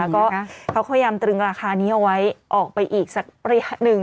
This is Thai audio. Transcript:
ก็เขาพยายามตรึงราคานี้เอาไว้ออกไปอีกสักระยะหนึ่ง